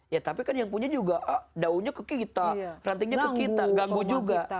ya tapi kan yang punya juga daunnya ke kita rantingnya ke kita ganggu juga